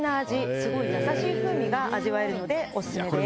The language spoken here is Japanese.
すごいやさしい風味が味わえるのでオススメです。